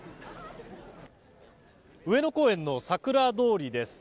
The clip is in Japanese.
上野公園のさくら通りです。